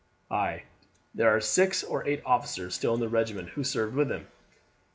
"Ay, there are six or eight officers still in the regiment who served with him.